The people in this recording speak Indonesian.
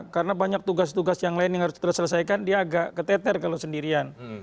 karena banyak tugas tugas yang lain yang harus terselesaikan dia agak keteter kalau sendirian